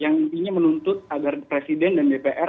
yang intinya menuntut agar presiden dan dpr